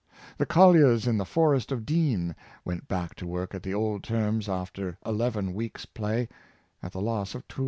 The colliers in the Forest of Dean went back to work at the old terms after eleven weeks' play, at the loss of $250,000.